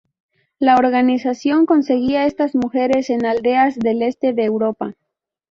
La organización conseguía estas mujeres en aldeas del Este de Europa.